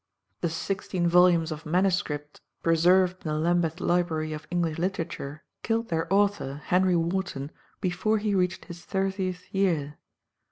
The sixteen volumes of MS. preserved in the Lambeth Library of English literature killed their author, Henry Wharton, before he reached his thirtieth year.